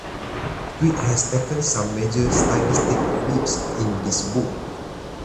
Tweet has taken some major stylistic leaps in this book.